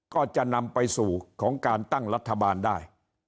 ก็จะนำไปสู่ของการตั้งรัฐบาลได้